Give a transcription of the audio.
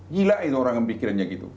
gila itu orang yang mikirnya gitu